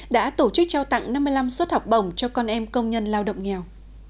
đã tổ chức trao tặng năm mươi năm suất học bổng cho con em công nhân lao động nghèo